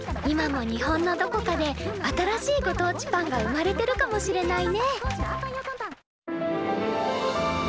今も日本のどこかで新しいご当地パンが生まれてるかもしれないね。